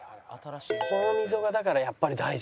この溝がだからやっぱり大事なんだ。